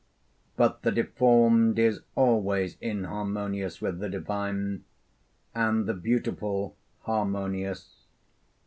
But the deformed is always inharmonious with the divine, and the beautiful harmonious.